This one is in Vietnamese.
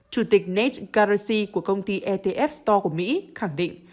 chủ tịch nate garrison của công ty etf store của mỹ khẳng định